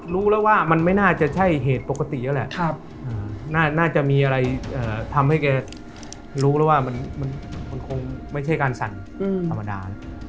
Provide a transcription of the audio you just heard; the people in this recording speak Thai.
รู้แล้วว่ามันไม่น่าจะใช่เหตุปกติแล้วแหละน่าจะมีอะไรทำให้แกรู้แล้วว่ามันคงไม่ใช่การสั่นธรรมดา